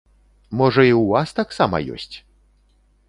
Можа, і ў вас таксама ёсць?